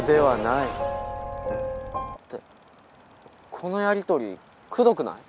このやり取りくどくない？